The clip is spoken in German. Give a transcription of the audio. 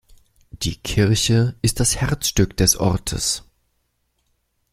Die Kirche ist das Herzstück des Ortes.